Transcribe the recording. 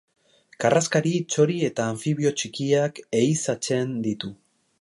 Karraskari, txori eta anfibio txikiak ehizatzen ditu.